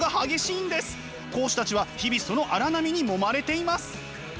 講師たちは日々その荒波にもまれています。